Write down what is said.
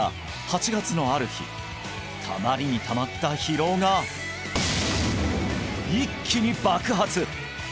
一向にのある日たまりにたまった疲労が一気に爆発！